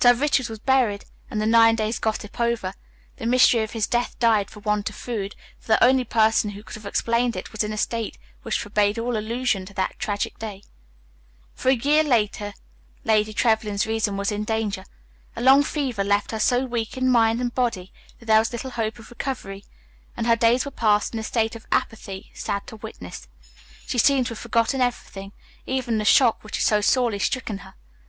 Sir Richard was buried and, the nine days' gossip over, the mystery of his death died for want of food, for the only person who could have explained it was in a state which forbade all allusion to that tragic day. For a year Lady Trevlyn's reason was in danger. A long fever left her so weak in mind and body that there was little hope of recovery, and her days were passed in a state of apathy sad to witness. She seemed to have forgotten everything, even the shock which had so sorely stricken her.